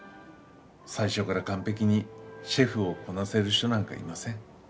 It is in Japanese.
最初から完璧にシェフをこなせる人なんかいません。